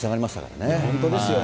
本当ですよね。